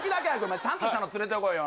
ちゃんとしたの連れてこいよ。